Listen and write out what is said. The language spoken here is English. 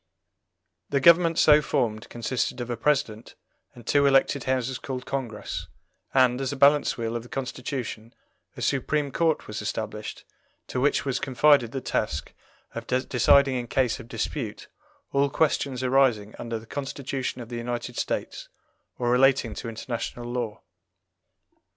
The government so formed consisted of a President and two elected Houses called Congress, and, as a balance wheel of the Constitution, a Supreme Court was established, to which was confided the task of deciding in case of dispute all questions arising under the Constitution of the United States or relating to international law.